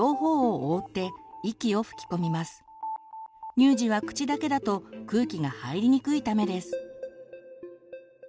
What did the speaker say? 乳児は口だけだと空気が入りにくいためです。